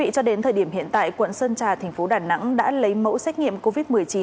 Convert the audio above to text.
cho đến thời điểm hiện tại quận sơn trà thành phố đà nẵng đã lấy mẫu xét nghiệm covid một mươi chín